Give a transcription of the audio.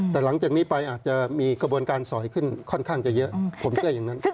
แต่หลังจากนี้ไปอาจจะมีกระบวนการสอยขึ้นค่อนข้างจะเยอะผมเชื่ออย่างนั้น